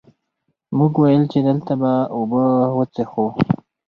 مونږ ويل چې دلته به اوبۀ وڅښو ـ